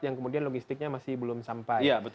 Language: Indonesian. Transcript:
yang kemudian logistiknya masih belum sampai